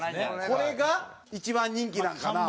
これが一番人気なんかな？